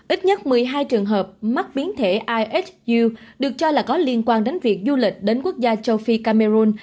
ít nhất một mươi hai trường hợp mắc biến thể isu được cho là có liên quan đến việc du lịch đến quốc gia châu phi cameroon